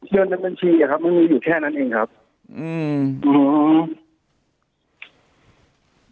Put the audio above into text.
เงินในบัญชีอะครับมันมีอยู่แค่นั้นเองครับอืม